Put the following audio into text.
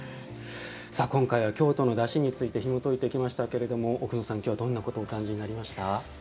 さあ今回は京都のだしについてひもといてきましたけれども奥野さん、今日はどんなことをお感じになりましたか。